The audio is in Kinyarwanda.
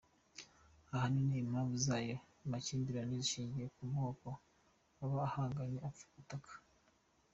Ahanini impamvu z’ayo makimbirane zishingiye ku moko, aba ahangaye apfa ubutaka.